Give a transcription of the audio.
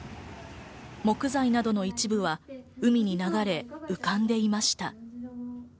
木材などの一部は海に流れ浮かんでいました。